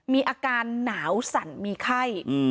มีอาการหนาวสั่นมีไข้